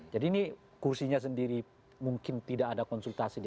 jadi ini kursinya sendiri mungkin tidak ada konsultasi